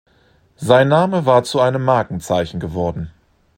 Sein Name war zu einem Markenzeichen geworden.